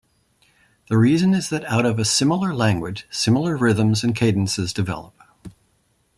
The reason is that out of a similar language, similar rhythms and cadences develop.